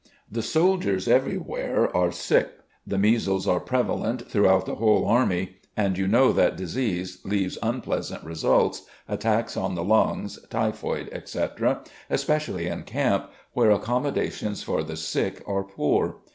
The soldiers every where are sick. The measles are prevalent throughout the whole army, and you know that disease leaves unpleas ant results, attacks on the lungs, t3rphoid, etc., especially in camp, where accommodations for the sick are poor.